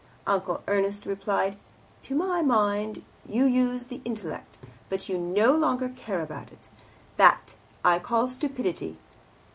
Uncle Ernst replied, "To my mind. You use the intellect, but you no longer care about it. That I call stupidity."